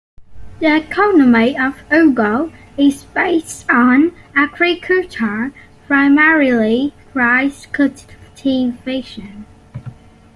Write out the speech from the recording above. The economy of Ugo is based on agriculture, primarily rice cultivation.